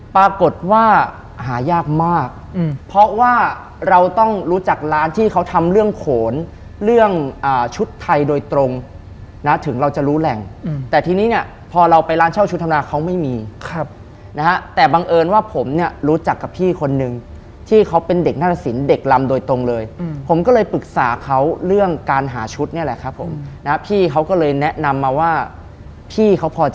ปรากฏว่าหายากมากเพราะว่าเราต้องรู้จักร้านที่เขาทำเรื่องโขนเรื่องชุดไทยโดยตรงนะถึงเราจะรู้แหล่งแต่ทีนี้เนี่ยพอเราไปร้านเช่าชุดธนาเขาไม่มีครับนะฮะแต่บังเอิญว่าผมเนี่ยรู้จักกับพี่คนนึงที่เขาเป็นเด็กนาฏศิลป์เด็กลำโดยตรงเลยผมก็เลยปรึกษาเขาเรื่องการหาชุดเนี่ยแหละครับผมนะพี่เขาก็เลยแนะนำมาว่าพี่เขาพอจะ